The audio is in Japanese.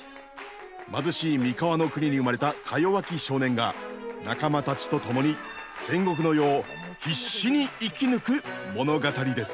貧しい三河の国に生まれたかよわき少年が仲間たちと共に戦国の世を必死に生き抜く物語です。